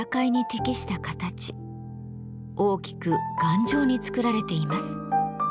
大きく頑丈に作られています。